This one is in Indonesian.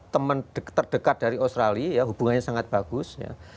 teman terdekat dari australia hubungannya sangat bagus ya